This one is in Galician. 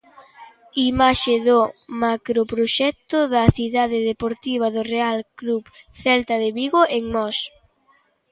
Imaxe do macroproxecto da cidade deportiva do Real Club Celta de Vigo en Mos.